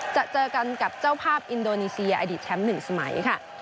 จะเจอกันกับเจ้าภาพอินโดนีเซียอดีตแชมป์๑สมัยค่ะ